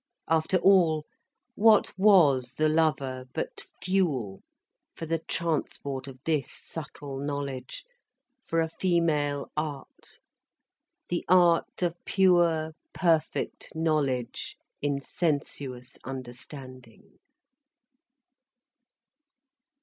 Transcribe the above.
After all, what was the lover but fuel for the transport of this subtle knowledge, for a female art, the art of pure, perfect knowledge in sensuous understanding.